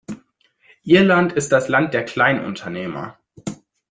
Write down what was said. Irland ist das Land der Kleinunternehmer.